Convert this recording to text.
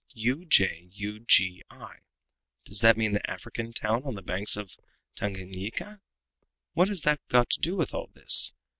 ujugi. Does that mean the African town on the banks of Tanganyika? What has that got to do with all this?